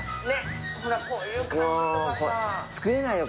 作れないよ